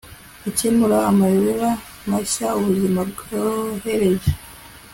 gukemura amayobera mashya ubuzima bwohereje